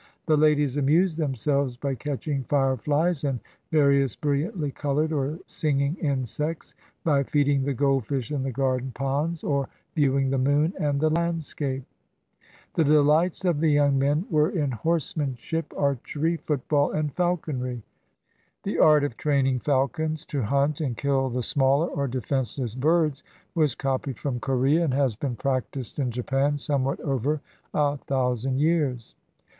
The ladies amused themselves by catching fireflies and va rious brilliantly colored or singing insects, by feeding the goldfish in the garden ponds, or viewing the moon and the landscape. The delights of the young men were in 294 SOCIAL LIFE IN KIOTO horsemanship, archery, foot ball, and falconry. The art of training falcons to hunt and kill the smaller or defenseless birds was copied from Corea, and has been practiced in Japan somewhat over a thousand years.